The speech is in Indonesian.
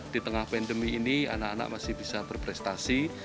di tengah pandemi ini anak anak masih bisa berprestasi